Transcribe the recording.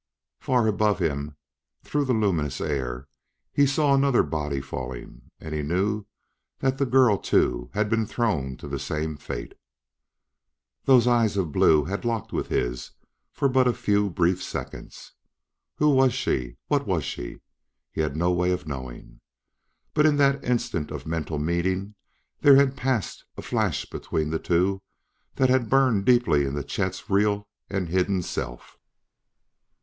For, above him, through the luminous air, he saw another body falling, and he knew that the girl, too, had been thrown to the same fate. Those eyes of blue had locked with his for but a few brief seconds. Who she was what she was he had no way of knowing. But in that instant of mental meeting there had passed a flash between the two that had burned deeply into Chet's real and hidden self.